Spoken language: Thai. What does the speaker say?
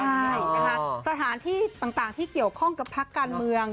ใช่นะคะสถานที่ต่างที่เกี่ยวข้องกับพักการเมือง